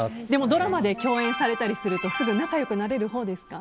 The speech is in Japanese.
ドラマで共演されたりするとすぐ仲良くなれるほうですか？